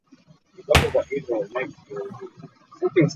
Waabaddeyo abatamanyi nti mwagguse dda.